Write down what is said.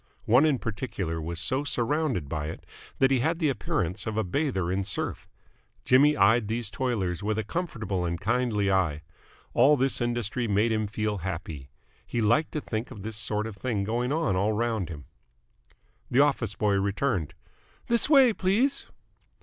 One in particular was so surrounded by it that he had the appearance of a bather in surf. Jimmy eyed these toilers with a comfortable and kindly eye. All this industry made him feel happy. He liked to think of this sort of thing going on all round him. The office boy returned. "This way, please."